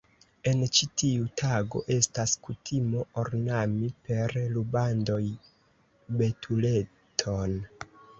En ĉi tiu tago estas kutimo ornami per rubandoj betuleton.